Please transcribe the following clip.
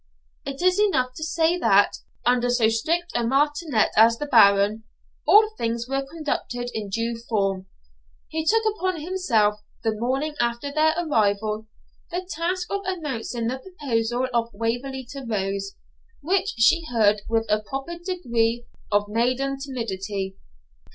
It is enough to say that, under so strict a martinet as the Baron, all things were conducted in due form. He took upon himself, the morning after their arrival, the task of announcing the proposal of Waverley to Rose, which she heard with a proper degree of maiden timidity.